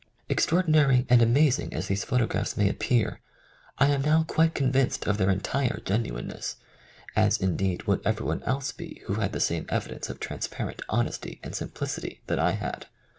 Extraordinary and amazing as these photographs may appear, I am now quite convinced of their entire genuineness, as in deed would everyone else be who had the same evidence of transparent honesty and simplicity that I had.